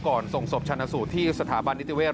ก่อนส่งศพชันสุทธิ์ที่สถาบันนิติเวศ